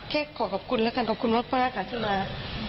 เฮ้ก็ขอขอบคุณละกันขอบคุณมากค่ะชื่อมาย